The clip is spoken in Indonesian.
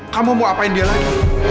kamu mau apain dia lagi